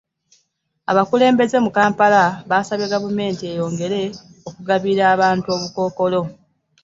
Abakulembeze mu Kampala basabye gavumenti eyongere okugabira abantu obukookolo